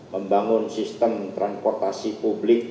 membangun sistem transportasi publik